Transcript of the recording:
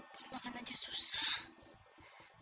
buat makan aja susah